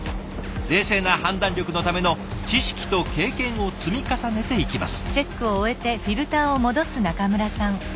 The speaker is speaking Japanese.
冷静な判断力のための知識と経験を積み重ねていきます。